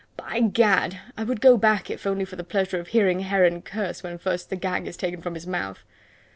By Gad! I would go back if only for the pleasure of hearing Heron curse when first the gag is taken from his mouth."